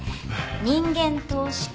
人間投資家。